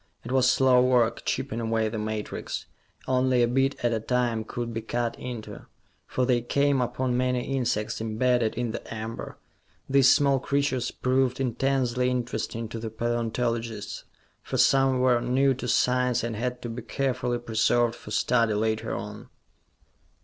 It was slow work, chipping away the matrix. Only a bit at a time could be cut into, for they came upon many insects imbedded in the amber. These small creatures proved intensely interesting to the paleontologists, for some were new to science and had to be carefully preserved for study later on.